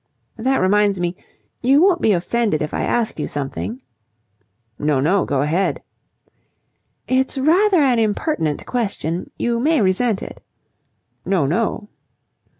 "That reminds me. You won't be offended if I asked you something?" "No, no. Go ahead." "It's rather an impertinent question. You may resent it." "No, no."